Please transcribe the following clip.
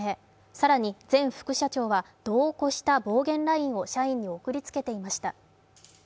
更に前副社長は、度を超した暴言ＬＩＮＥを社員に送りつけていました。